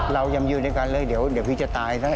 เรายำยืนในการเลยเดี๋ยวพี่จะตายด้วย